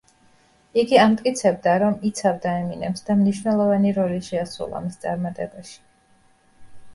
იგი ამტკიცებდა, რომ იცავდა ემინემს და მნიშვნელოვანი როლი შეასრულა მის წარმატებაში.